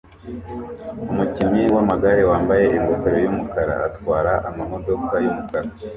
Umukinnyi wamagare wambaye ingofero yumukara atwara amamodoka yumukara